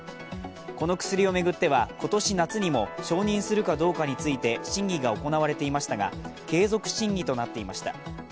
この薬を巡っては今年夏にも、承認するかどうかについて審議が行われていましたが、継続審議となっていました。